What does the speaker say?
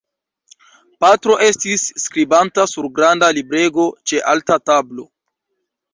Patro estis skribanta sur granda librego ĉe alta tablo.